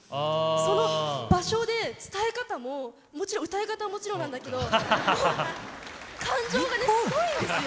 その場所で伝え方ももちろん歌い方はもちろんなんだけどもう感情がねすごいんですよ。